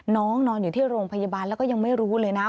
นอนอยู่ที่โรงพยาบาลแล้วก็ยังไม่รู้เลยนะ